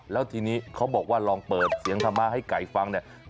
แล้วทีนี้เขาบอกว่าลองเปิดเสียงธรรมะให้ไก่ฟังเนี่ย